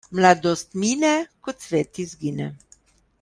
Mladost mine, ko cvet izgine.